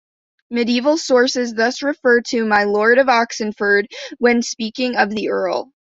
Medieval sources thus refer to 'my lord of Oxenford' when speaking of the earl.